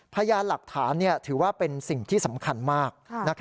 พยานหลักฐานถือว่าเป็นสิ่งที่สำคัญมาก